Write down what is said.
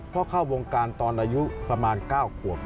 เพราะเข้าวงการตอนอายุประมาณ๙ขวบ